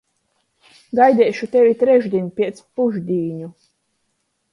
Gaideišu tevi trešdiņ piec pušdīņu.